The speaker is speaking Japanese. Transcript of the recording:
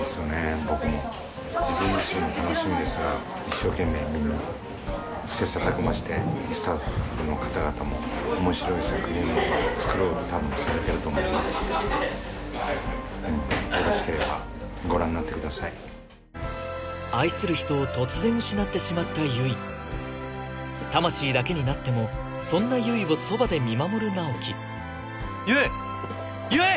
僕も自分自身も楽しみですが一生懸命みんな切磋琢磨してスタッフの方々も面白い作品を作ろうとされていると思いますよろしければご覧になってください愛する人を突然失ってしまった悠依魂だけになってもそんな悠依をそばで見守る直木悠依悠依！